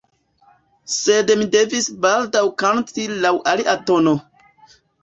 Sed mi devis baldaŭ kanti laŭ alia tono.